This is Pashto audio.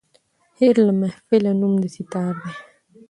هېر له محفله نوم د سیتار دی